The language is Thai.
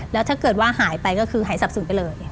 แล้วถ้าเกิดว่าหายไปก็คือหายสับสนไปเลย